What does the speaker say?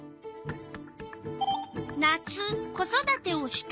夏子育てをした